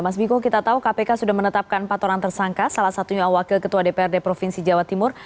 mas biko kita tahu kpk sudah menetapkan patoran tersangka salah satunya wakil ketua dpr di provinsi jawa timur